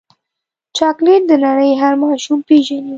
چاکلېټ د نړۍ هر ماشوم پیژني.